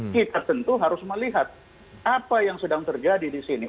kita tentu harus melihat apa yang sedang terjadi di sini